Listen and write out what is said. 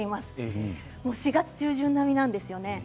４月中旬並みなんですよね。